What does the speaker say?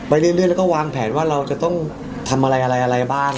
เรื่อยแล้วก็วางแผนว่าเราจะต้องทำอะไรอะไรบ้าง